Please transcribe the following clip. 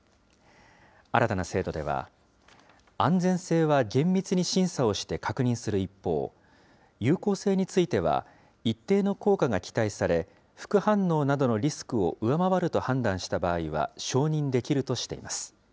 新たな制度では、安全性は厳密に審査をして確認する一方、有効性については、一定の効果が期待され、副反応などのリスクを上回ると判断した場合は、承認できるとしています。